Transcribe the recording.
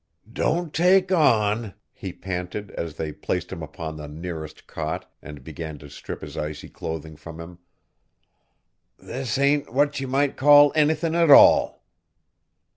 "Don't take on!" he panted as they placed him upon the nearest cot and began to strip his icy clothing from him; "this ain't what ye might call anythin' at all!"